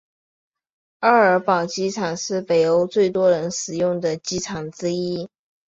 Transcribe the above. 奥尔堡机场是北欧最多人使用的机场之一。